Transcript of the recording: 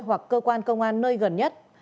hoặc cơ quan công an nơi gần nhất